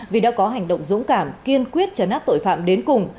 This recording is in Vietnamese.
vì đã có hành động dũng cảm kiên quyết trấn áp tội phạm đến cùng